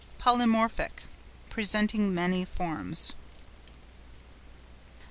POLYMORPHIC.—Presenting many forms.